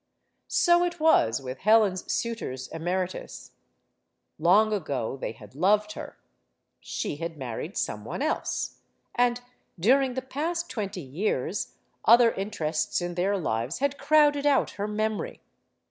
So it was with Helen's suitors emeritus. Long ago they had loved her. She had married some one else. And, during the past twenty years, other interests in their lives had crowded out her memory.